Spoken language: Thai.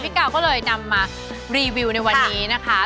กาวก็เลยนำมารีวิวในวันนี้นะคะ